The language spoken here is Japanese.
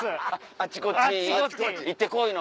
あっちこっち行って来いの。